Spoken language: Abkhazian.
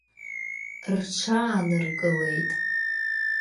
Рҽааныркылеит.